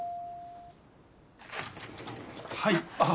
はいあっ。